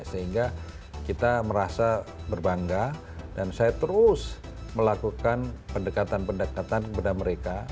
sehingga kita merasa berbangga dan saya terus melakukan pendekatan pendekatan kepada mereka